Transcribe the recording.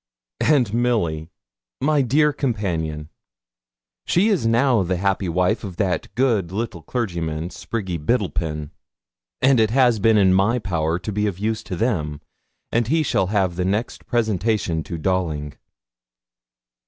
And Milly, my dear companion, she is now the happy wife of that good little clergyman, Sprigge Biddlepen. It has been in my power to be of use to them, and he shall have the next presentation to Dawling.